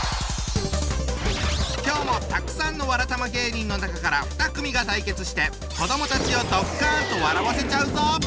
今日もたくさんのわらたま芸人の中から２組が対決して子どもたちをドッカンと笑わせちゃうぞ！